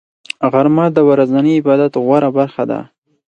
غرمه د ورځني عبادت غوره برخه ده